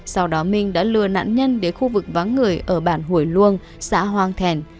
sau đó minh đã lừa nạn nhân đến khu vực vắng người ở bản hủy luông xã hoang thèn